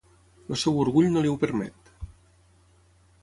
El seu orgull no li ho permet.